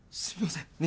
すみません。